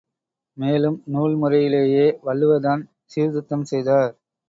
மேலும் நூல் முறையிலேயே வள்ளுவர்தான் சீர்திருத்தம் செய்தார்.